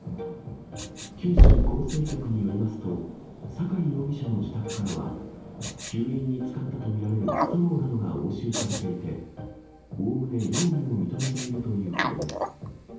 九州厚生局によりますと、坂井容疑者の自宅からは、吸引に使ったと見られるストローなどが押収されていて、おおむね容疑を認めているということです。